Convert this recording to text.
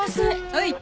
はい。